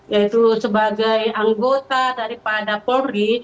yaitu sebagai anggota daripada polri